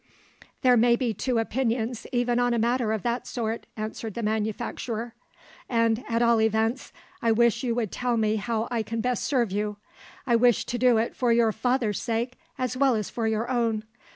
"There may be two opinions even on a matter of that sort," answered the manufacturer; "and, at all events, I wish you would tell me how I can best serve you. I wish to do it for your father's sake, as well as for your own.